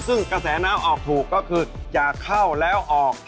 ซึ่งกระแสน้ำออกถูกก็คือจะเข้าแล้วออก